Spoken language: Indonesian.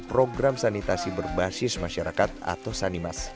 program sanitasi berbasis masyarakat atau sanimas